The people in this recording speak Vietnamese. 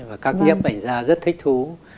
và các nhóm ảnh gia rất thích thú